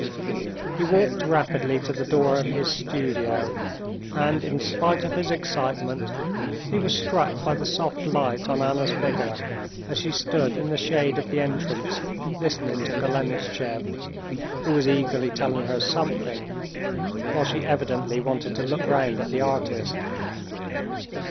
He walked rapidly to the door of his studio, and in spite of his excitement he was struck by the soft light on Anna's figure as she stood in the shade of the entrance listening to Golenishtchev, who was eagerly telling her something, while she evidently wanted to look round at the artist.